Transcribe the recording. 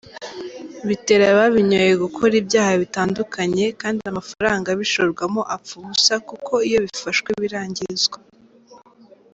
Bitera ababinyoye gukora ibyaha bitandukanye, kandi amafaranga abishorwamo apfa ubusa kuko iyo bifashwe birangizwa."